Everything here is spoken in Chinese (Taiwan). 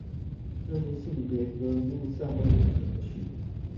那些性別革命尚未完成的事